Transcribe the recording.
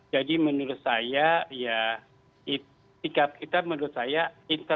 jadi menurut saya ya ikat kita menurut saya